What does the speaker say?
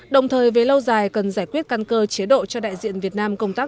đồng thời về lâu dài cần giải quyết căn cơ chế độ cho đại diện việt nam công tác